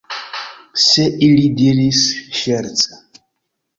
Se ili diris ŝerce.